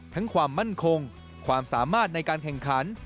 ความมั่นคงความสามารถในการแข่งขัน